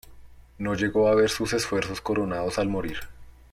No llegó a ver sus esfuerzos coronados al morir.